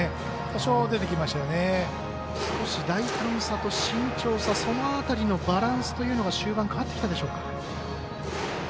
初回、大胆さと慎重さその辺りのバランスというのが終盤変わってきたんでしょうか。